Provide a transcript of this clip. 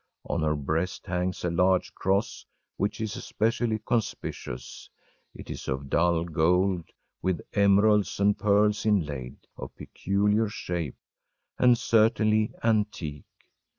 On her breast hangs a large cross, which is especially conspicuous. It is of dull gold, with emeralds and pearls inlaid, of peculiar shape, and certainly antique.